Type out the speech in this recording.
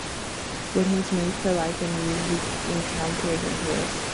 Woodhens mate for life and are usually encountered in pairs.